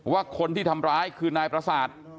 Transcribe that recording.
ว่าคนที่ทำร้ายคือนายประสาท